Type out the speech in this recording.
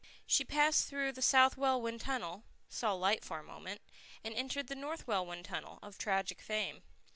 She passed through the South Welwyn Tunnel, saw light for a moment, and entered the North Welwyn Tunnel, of tragic fame.